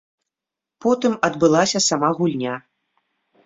Потым адбылася сама гульня.